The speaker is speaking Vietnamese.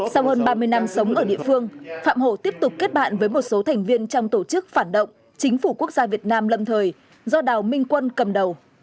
sau hơn ba mươi năm sống ở địa phương phạm hồ tiếp tục kết bạn với một số thành viên trong tổ chức phản động chính phủ quốc gia việt nam lâm thời do đào minh quân cầm đầu